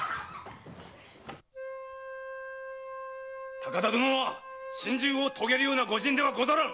高田殿は心中を遂げるような御仁ではござらぬ！